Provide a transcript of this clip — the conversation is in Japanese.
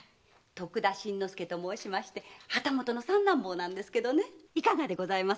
徳田新之助と申しまして旗本の三男坊なんですけどいかがでございます？